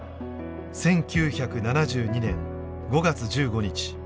１９７２年５月１５日。